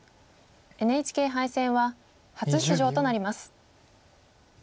ＮＨＫ杯戦は初出場となります。